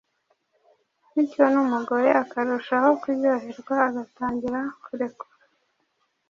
bityo n’umugore akarushaho kuryoherwa agatangira kurekura